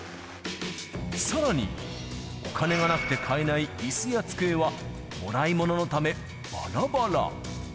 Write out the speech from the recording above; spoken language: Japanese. さらに、お金がなくて買えないいすや机は、もらい物のため、ばらばら。